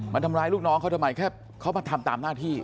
ทำร้ายลูกน้องเขาทำไมแค่เขามาทำตามหน้าที่